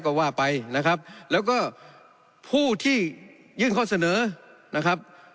ก็ว่าไปนะครับแล้วก็ผู้ที่ยื่นข้อเสนอนะครับ